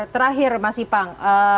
terakhir mas ipang